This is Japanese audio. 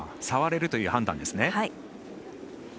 触れるという判断ですね。